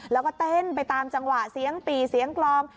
แล้วก็เต้นไปตามจังหวะเสียงปี่เสียงกลอง